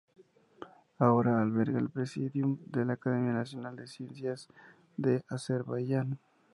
Ahora alberga el Presidium de la Academia Nacional de Ciencias de Azerbaiyán.